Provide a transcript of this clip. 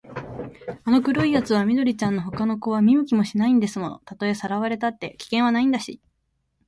あの黒いやつは緑ちゃんのほかの子は見向きもしないんですもの。たとえさらわれたって、危険はないんだし、